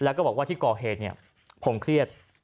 ว่าที่ก่อเหตุเนี่ยผมเครียด